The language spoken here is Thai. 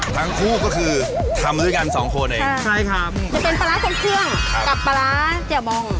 ทั้งคู่ก็คือทำด้วยกันสองคนเองใช่ครับจะเป็นปลาร้าทรงเครื่องกับปลาร้าแจ่วมอง